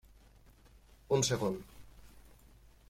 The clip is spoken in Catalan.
Un segon.